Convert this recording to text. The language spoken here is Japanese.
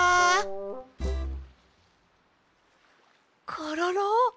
コロロ！